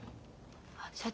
社長。